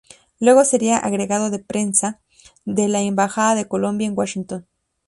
Luego sería agregado de prensa de la embajada de Colombia en Washington.